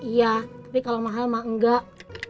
iya tapi kalau mahal mah enggak